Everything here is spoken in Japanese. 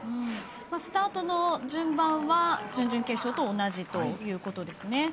スタートの順番は準々決勝と同じということですね。